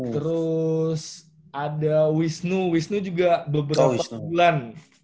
terus ada wisnu wisnu juga beberapa bulan